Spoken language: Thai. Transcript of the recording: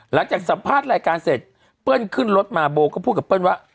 หลังจากสัมภาษณ์รายการเสร็จเปิ้ลขึ้นรถมาโบก็พูดกับเปิ้ลว่า